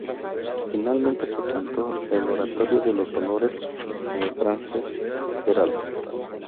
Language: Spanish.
Finalmente se cantó el "Oratorio de los dolores" de Francesc Queralt.